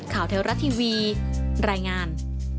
ข่าวเทลรัตน์ทีวีรายงาน